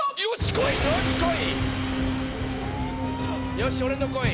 よし俺のこい。